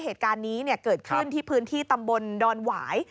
เหตุการณ์นี้เกิดขึ้นที่พื้นที่ตำบลดอนหวาย